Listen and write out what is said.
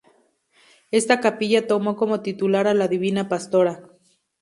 Esta capilla tomó como titular a la Divina Pastora.